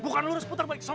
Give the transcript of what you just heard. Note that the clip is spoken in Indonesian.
bukan lurus putar balik